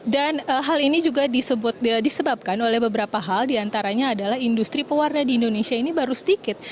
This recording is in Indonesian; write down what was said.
dan hal ini juga disebut disebabkan oleh beberapa hal diantaranya adalah industri pewarna di indonesia ini baru sedikit